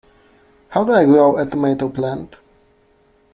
How do I grow a tomato plant?